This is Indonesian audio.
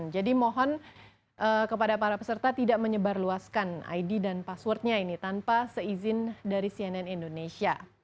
jadi mohon kepada para peserta tidak menyebarluaskan id dan passwordnya ini tanpa seizin dari cnn indonesia